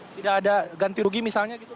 tidak ada ganti rugi misalnya gitu